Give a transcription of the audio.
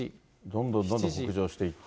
どんどんどんどん北上していって。